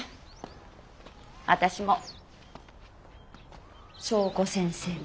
私も祥子先生も。